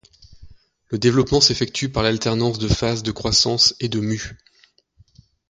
Le développement s'effectue par l'alternance de phases de croissance et de mues.